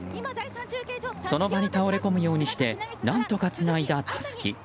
その場に倒れ込むようにして何とかつないだたすき。